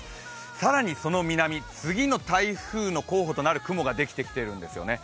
更にその南、次の台風の候補となる雲ができてきているんですよね。